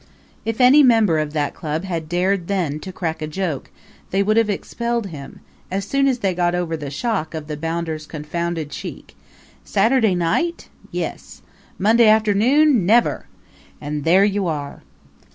If any member of that club had dared then to crack a joke they would have expelled him as soon as they got over the shock of the bounder's confounded cheek. Saturday night? Yes. Monday afternoon? Never! And there you are!